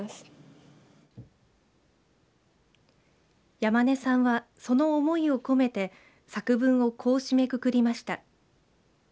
山根さんは、その思いを込めて作文をこう締めくくりました。